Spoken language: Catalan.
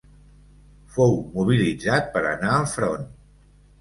Fou mobilitzat per anar al front.